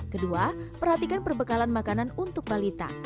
kedua perhatikan perbekalan makanan untuk balita